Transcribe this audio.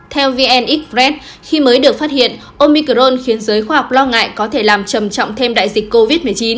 theo vn express khi mới được phát hiện omicron khiến giới khoa học lo ngại có thể làm trầm trọng thêm đại dịch covid một mươi chín